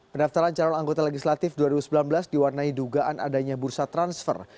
pendaftaran calon anggota legislatif dua ribu sembilan belas diwarnai dugaan adanya bursa transfer